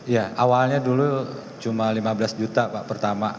ya awalnya dulu cuma lima belas juta pak pertama